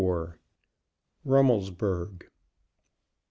RUMMELSBURG.